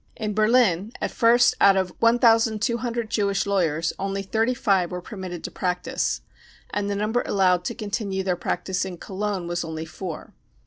■ In Berlin at first out of 1,200 Jewish lawyers, only thirty five were permitted to practise, and the number allowed to continue their practice in Cologne was only four.